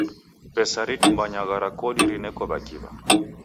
Pesa ritumbanywagha ra kodi rineko w'akiw'a.